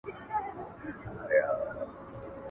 ټوله ته وای ټوله ته وای.